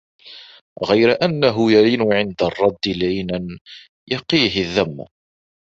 غَيْرَ أَنَّهُ يَلِينُ عِنْدَ الرَّدِّ لِينًا يَقِيهِ الذَّمَّ